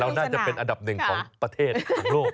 น่าจะเป็นอันดับหนึ่งของประเทศของโลก